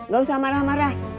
gak usah marah marah